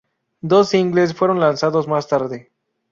Dos singles fueron lanzados más tarde.